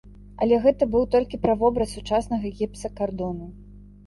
Але гэта быў толькі правобраз сучаснага гіпсакардону.